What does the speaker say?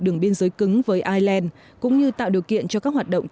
đường biên giới cứng với ireland cũng như tạo điều kiện cho các hoạt động thương mại với các